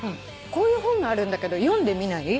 こういう本があるんだけど読んでみない？